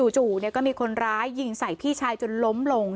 จู่ก็มีคนร้ายยิงใส่พี่ชายจนล้มลง